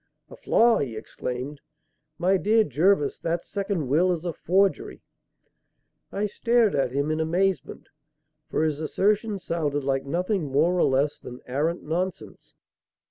"A flaw!" he exclaimed. "My dear Jervis, that second will is a forgery." I stared at him in amazement; for his assertion sounded like nothing more or less than arrant nonsense.